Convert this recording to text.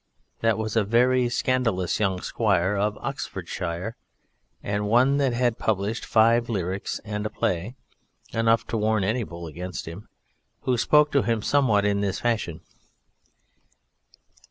that was a very scandalous young squire of Oxfordshire, and one that had published five lyrics and a play (enough to warn any Bull against him), who spoke to him somewhat in this fashion: "La!